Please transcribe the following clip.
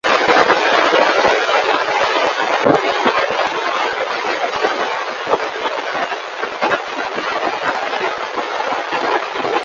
Fluent in English, Spanish and Garifuna, Nabor was a popular entertainer throughout Central America.